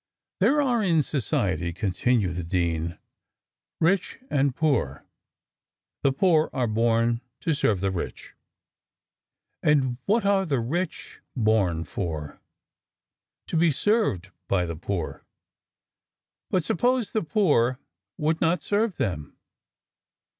There are in society," continued the dean, "rich and poor; the poor are born to serve the rich." "And what are the rich born for?" "To be served by the poor." "But suppose the poor would not serve them?"